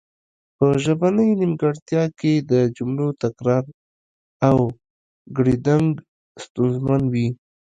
په ژبنۍ نیمګړتیا کې د جملو تکرار او ګړیدنګ ستونزمن وي